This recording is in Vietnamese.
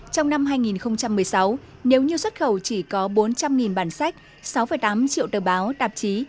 trong năm hai nghìn một mươi sáu nếu như xuất khẩu chỉ có bốn trăm linh bản sách sáu tám triệu tờ báo tạp chí